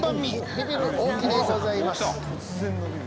ビビる大木でございます。